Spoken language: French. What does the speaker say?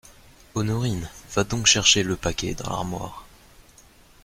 Honorine, va donc chercher le paquet, dans l’armoire.